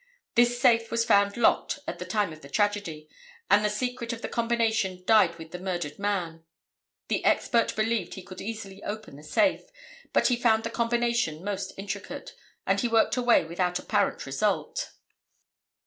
This safe was found locked at the time of the tragedy, and the secret of the combination died with the murdered man. The expert believed he could easily open the safe, but he found the combination most intricate, and he worked away without apparent result.